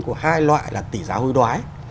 của hai loại là tỷ giá hôi đoái